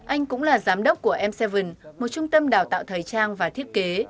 anh cũng là giám đốc của m seven một trung tâm đào tạo thời trang và thiết kế